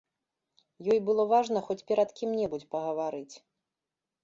Ёй было важна хоць перад кім-небудзь пагаварыць.